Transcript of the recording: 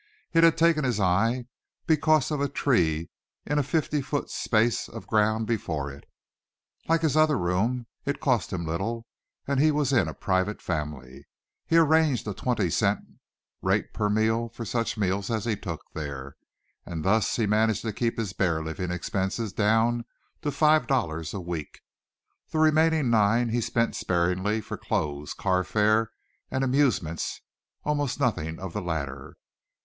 It had taken his eye because of a tree in a fifty foot space of ground before it. Like his other room it cost him little, and he was in a private family. He arranged a twenty cent rate per meal for such meals as he took there, and thus he managed to keep his bare living expenses down to five dollars a week. The remaining nine he spent sparingly for clothes, car fare, and amusements almost nothing of the latter.